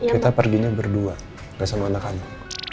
kita perginya berdua gak sama anak kami